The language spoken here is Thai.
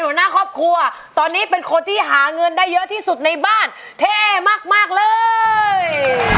หัวหน้าครอบครัวตอนนี้เป็นคนที่หาเงินได้เยอะที่สุดในบ้านเท่มากเลย